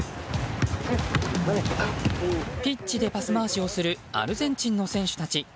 ピッチでパス回しをするアルゼンチンの選手たち。